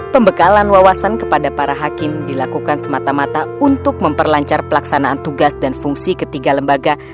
pembekalan wawasan kepada para hakim dilakukan semata mata untuk memperlancar pelaksanaan tugas dan fungsi ketiga lembaga